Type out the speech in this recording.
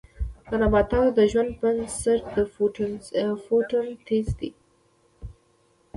د نباتاتو د ژوند بنسټ د فوتوسنتیز دی